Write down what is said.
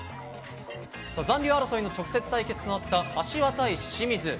残留争いの直接対決となった柏対清水。